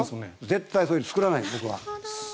絶対そういうのを作らない僕は。